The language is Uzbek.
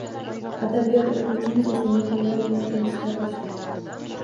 Adabiyot o`qituvchimiz esa mehmonlar bilan tanishtira boshladi